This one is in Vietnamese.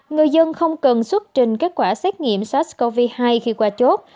người dân không cần xuất trình kết quả xét nghiệm sars cov hai khi qua chốt